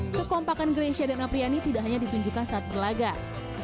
kekompakan grecia dan apriani tidak hanya ditunjukkan saat berlagak